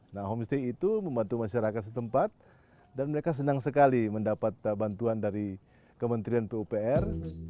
nah homestay itu membantu masyarakat setempat dan mereka senang sekali mendapat bantuan dari kementerian pupr